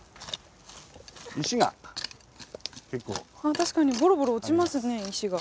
確かにゴロゴロ落ちますね石が。